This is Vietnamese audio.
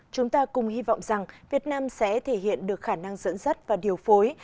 chúng ta cùng hy vọng rằng việt nam sẽ thể hiện được khả năng dẫn dắt và điều phối